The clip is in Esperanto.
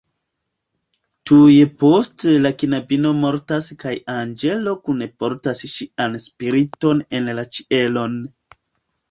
Tuj poste la knabino mortas kaj anĝelo kunportas ŝian spiriton en la ĉielon.